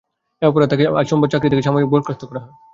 এ অপরাধে তাঁকে আজ সোমবার চাকরি থেকে সাময়িক বরখাস্ত করা হয়।